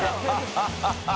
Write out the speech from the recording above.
ハハハ